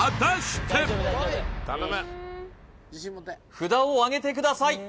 札をあげてください